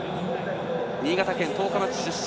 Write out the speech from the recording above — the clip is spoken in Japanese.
新潟県十日町出身。